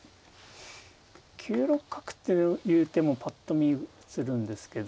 ９六角っていう手もぱっと見映るんですけど。